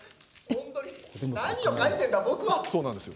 何を書いているんだ僕は。